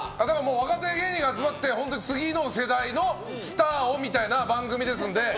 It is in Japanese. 若手芸人が集まって次の世代のスターをみたいな番組ですので。